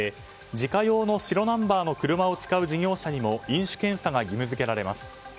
自家用の白ナンバーの車を使う事業者にも飲酒検査が義務付けられます。